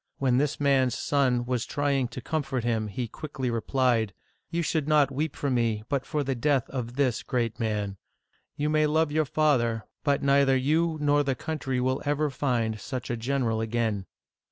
When this man's son was trying to comfort him, he quickly replied :You should not weep for me, but for the death of this great man. You may love your father, but neither you nor the country will ever find such a general again